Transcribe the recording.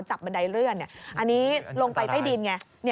อันนี้ลงไปใต้ดิน